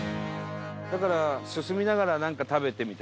だから進みながらなんか食べてみたいな事だね。